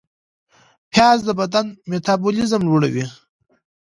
پیاز د بدن میتابولیزم لوړوي